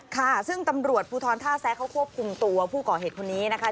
ค่ะซึ่งตำรวจภูทรท่าแซะเขาควบคุมตัวผู้ก่อเหตุคนนี้นะคะ